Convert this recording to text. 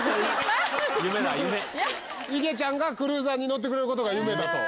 いげちゃんがクルーザーに乗ってくれる事が夢だと。